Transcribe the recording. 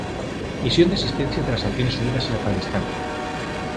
Misión de Asistencia de las Naciones Unidas en Afganistán